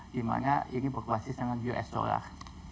di mana ini berbasis dengan us dollar